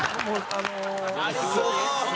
ありそう！